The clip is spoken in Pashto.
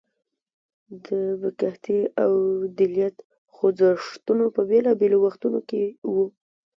د بکهتي او دلیت خوځښتونه په بیلابیلو وختونو کې وو.